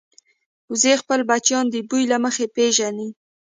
وزې خپل بچیان د بوی له مخې پېژني